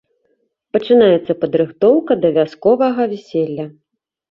Пачынаецца падрыхтоўка да вясковага вяселля.